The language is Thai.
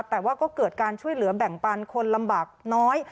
แต่ว่าก็เกิดการช่วยเหลือแบ่งปันคนลำบากน้อย